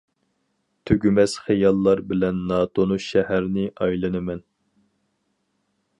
تۈگىمەس خىياللار بىلەن ناتونۇش شەھەرنى ئايلىنىمەن.